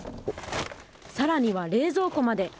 さらには冷蔵庫まで。